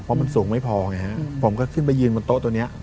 เพราะมันสูงไม่พอไงฮะผมก็ขึ้นไปยืนบนโต๊ะตัวนี้